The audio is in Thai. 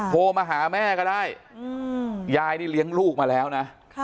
โทรมาหาแม่ก็ได้ยายนี่เลี้ยงลูกมาแล้วนะ